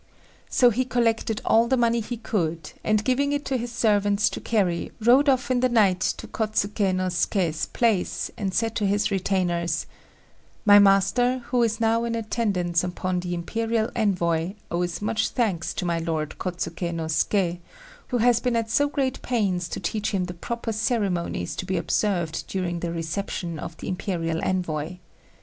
So he collected all the money he could, and, giving it to his servants to carry, rode off in the night to Kôtsuké no Suké's palace, and said to his retainers: "My master, who is now in attendance upon the Imperial envoy, owes much thanks to my Lord Kôtsuké no Suké, who has been at so great pains to teach him the proper ceremonies to be observed during the reception of the Imperial envoy.